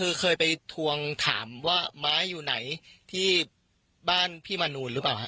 คือเคยไปทวงถามว่าไม้อยู่ไหนที่บ้านพี่มนูนหรือเปล่าฮะ